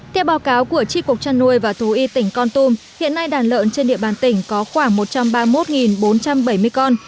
theo báo cáo của tri cục trăn nuôi và thú y tỉnh con tum hiện nay đàn lợn trên địa bàn tỉnh có khoảng một trăm ba mươi một bốn trăm bảy mươi con